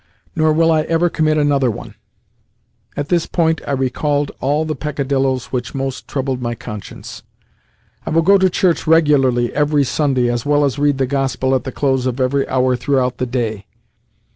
"Nor will I ever commit another one." At this point I recalled all the peccadilloes which most troubled my conscience. "I will go to church regularly every Sunday, as well as read the Gospel at the close of every hour throughout the day.